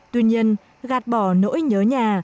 tuy nhiên gạt bỏ nỗi nhớ nhà